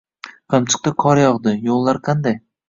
Qamchiqda qor yog‘di, yo‘llar qanday?